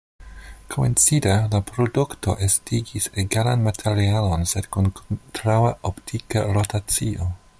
Koincide, la produkto estigis egalan materialon sed kun kontraŭa optika rotacio.